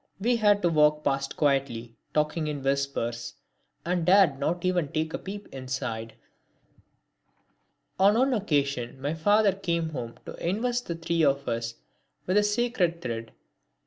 We had to walk past quietly, talking in whispers, and dared not even take a peep inside. On one occasion my father came home to invest the three of us with the sacred thread.